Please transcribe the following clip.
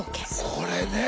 これね。